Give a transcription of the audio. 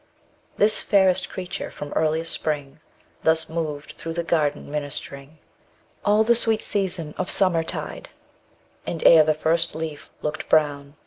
This fairest creature from earliest Spring Thus moved through the garden ministering Mi the sweet season of Summertide, And ere the first leaf looked brown she died!